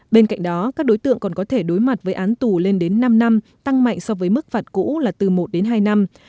bên cạnh đó các đối tượng còn có thể đối mặt với án tù lên đến năm năm tăng mạnh so với mức phạt cũ là từ một đến hai năm